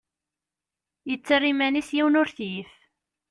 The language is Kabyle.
Yettarra iman-is yiwen ur t-yif.